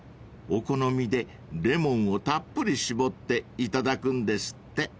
［お好みでレモンをたっぷり搾って頂くんですって］